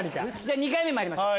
２回目まいりましょう。